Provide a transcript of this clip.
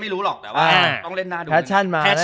แต่ก็ต้องเล่นหน้าดู